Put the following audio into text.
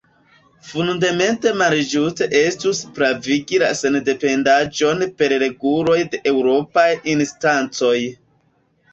Fundamente malĝuste estus pravigi la sendependiĝon per reguloj de eŭropaj instancoj.